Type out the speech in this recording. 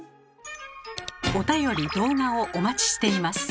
おたより・動画をお待ちしています。